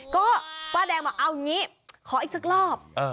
ก็ป้าแดงมาเอานี้ขออีกซักรอบ